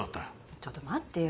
ちょっと待ってよ。